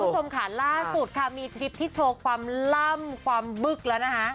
สำคัญล่าสุดค่ะมีทริปที่โชว์ความล่ำความบึกแล้วนะคะ